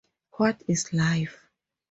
What Is Life?